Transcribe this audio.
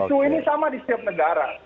isu ini sama di setiap negara